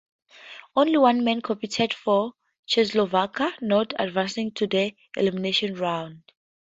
Only one man competed for Czechoslovakia, not advancing to the elimination rounds.